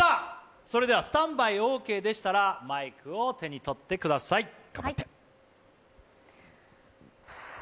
それではスタンバイオーケーでしたらマイクを手に取ってください。